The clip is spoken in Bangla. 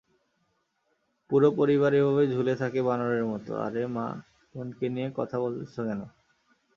পুরো পরিবার এভাবে ঝুলে থাকে বানরের মতো--- আরে মা-বোনকে নিয়ে কথা বলতেছ কেন?